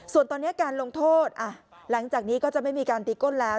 ส่วนตอนนี้การลงโทษหลังจากนี้ก็จะไม่มีการตีก้นแล้ว